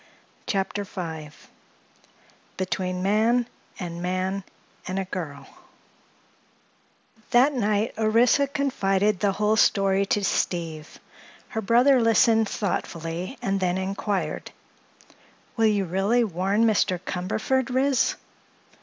CHAPTER V BETWEEN MAN AND MAN—AND A GIRL That night Orissa confided the whole story to Steve. Her brother listened thoughtfully and then inquired: "Will you really warn Mr. Cumberford, Ris?"